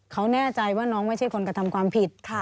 เขาแน่ใจว่าน้องไม่ใช่คนกระทำความผิด